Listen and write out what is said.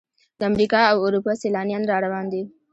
د امریکا او اروپا سیلانیان را روان دي.